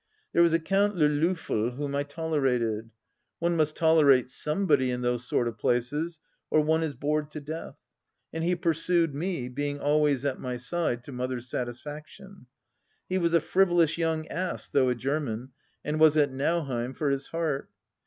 There was a Count Le Loffel whom I tolerated. One must tolerate somebody in those sort of places or one is bored to death. And he pursued me, being always at my side, to Mother's satisfaction. He was a frivolous young ass, though a German, and was at Nauheim for his heart.